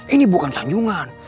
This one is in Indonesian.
ini bukan sanjungan